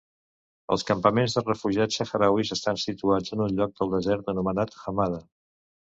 Els Campaments de Refugiats Sahrauís estan situats en un lloc del desert anomenat Hamada.